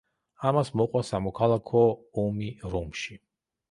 ამას მოყვა სამოქალაქო ომი რომში.